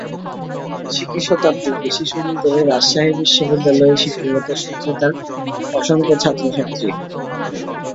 সিকি শতাব্দীর বেশি সময় ধরে রাজশাহী বিশ্ববিদ্যালয়ে শিক্ষকতার সূত্রে তাঁর অসংখ্য ছাত্রছাত্রী।